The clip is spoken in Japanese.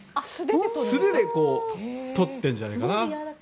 素手でとってるんじゃないかな。